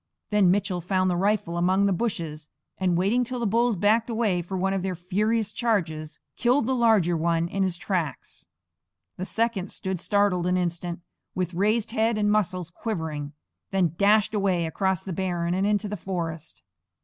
Then Mitchell found the rifle among the bushes and, waiting till the bulls backed away for one of their furious charges, killed the larger one in his tracks. The second stood startled an instant, with raised head and muscles quivering, then dashed away across the barren and into the forest.